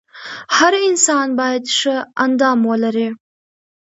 هر انسان باید ښه اندام ولري .